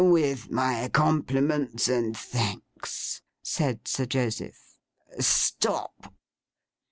'With my compliments and thanks,' said Sir Joseph. 'Stop!